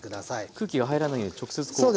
空気が入らないように直接こう。